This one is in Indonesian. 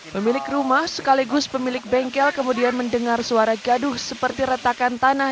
pemilik rumah sekaligus pemilik bengkel kemudian mendengar suara gaduh seperti retakan tanah